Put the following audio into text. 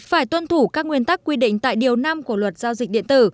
phải tuân thủ các nguyên tắc quy định tại điều năm của luật giao dịch điện tử